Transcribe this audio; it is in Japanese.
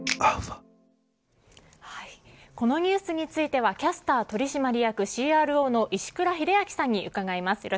このニュースについてはキャスター取締役ＣＲＯの石倉秀明さんに伺います。